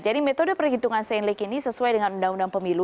jadi metode perhitungan saint lake ini sesuai dengan undang undang pemilu